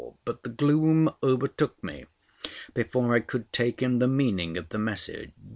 But the gloom overtook me before I could take in the meaning of the message.